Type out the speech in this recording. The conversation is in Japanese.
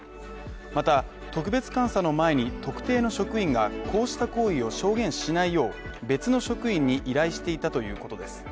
また、特別監査の前に、特定の職員がこうした行為を証言しないよう、別の職員に依頼していたということです。